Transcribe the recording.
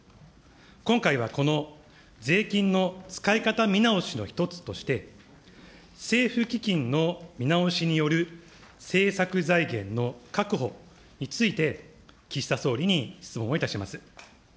今回はこの税金の使い方見直しの一つとして、政府基金の見直しによる政策財源の確保について、岸田総理に質問をいたします。